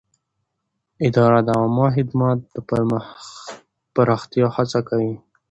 اداره د عامه خدمت د پراختیا هڅه کوي.